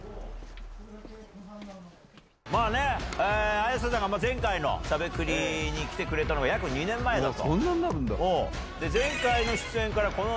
綾瀬さんが前回の『しゃべくり』に来てくれたのが約２年前だと。